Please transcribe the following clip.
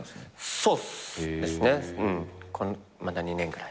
そうですねまだ２年ぐらい。